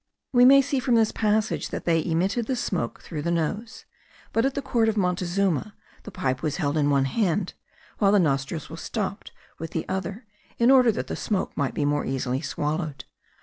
We may see from this passage that they emitted the smoke through the nose; but at the court of Montezuma the pipe was held in one hand, while the nostrils were stopped with the other, in order that the smoke might be more easily swallowed.